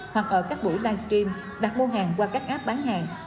hoặc ở các buổi live stream đặt mua hàng qua các app bán hàng